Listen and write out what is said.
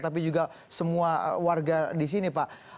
tapi juga semua warga di sini pak